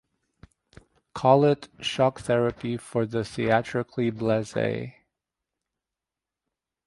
Call it shock therapy for the theatrically blase.